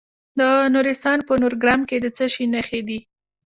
د نورستان په نورګرام کې د څه شي نښې دي؟